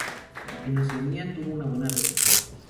En Oceanía, tuvo una buena recepción.